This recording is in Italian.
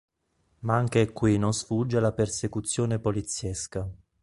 Ma anche qui non sfugge alla persecuzione poliziesca.